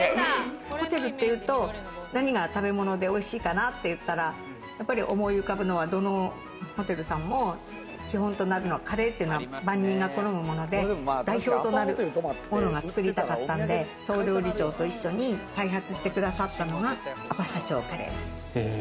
ホテルっていうと、何の食べ物がおいしいかなって言ったら、思い浮かぶのはどのホテルさんも基本となるのはカレーって万人が好むもので、代表となるものを作りたかったんで、総料理長と一緒に開発してくださったのがアパ社長カレー。